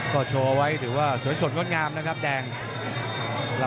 ก็โชว์ไว้ถือว่าสวยสดงดงามนะครับแดง